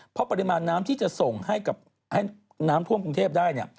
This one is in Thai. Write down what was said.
เพราะปริมาณน้ำที่จะส่งให้กับให้น้ำท่วมกรุงเทพฯได้